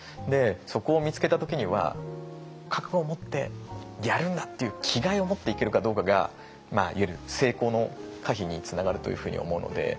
そこを見つけた時には覚悟を持ってやるんだっていう気概を持っていけるかどうかがいわゆる成功の可否につながるというふうに思うので。